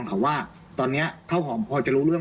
พี่สาวอายุ๗ขวบก็ดูแลน้องดีเหลือเกิน